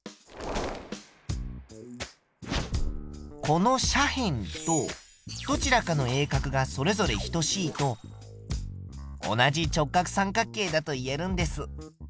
この斜辺とどちらかの鋭角がそれぞれ等しいと同じ直角三角形だと言えるんです。